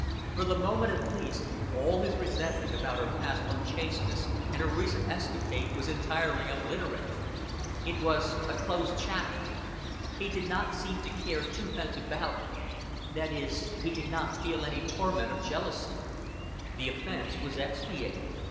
For the moment at least, all his resentment about her past unchasteness and her recent escapade was entirely obliterated; it was a closed chapter; he did not seem to care two pence about it that is, he did not feel any torment of jealousy. The offense was expiated.